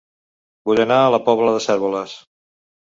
Vull anar a La Pobla de Cérvoles